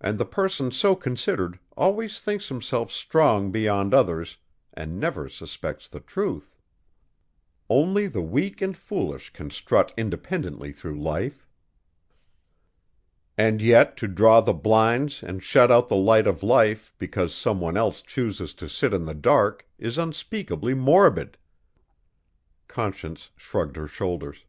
And the person so considered always thinks himself strong beyond others and never suspects the truth. Only the weak and foolish can strut independently through life." "And yet to draw the blinds and shut out the light of life because some one else chooses to sit in the dark is unspeakably morbid." Conscience shrugged her shoulders.